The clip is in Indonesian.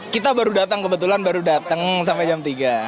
kita baru datang kebetulan baru datang sampai jam tiga